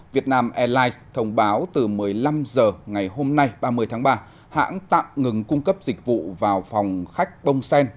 việt nam airlines thông báo từ một mươi năm h ngày hôm nay ba mươi tháng ba hãng tạm ngừng cung cấp dịch vụ vào phòng khách bông sen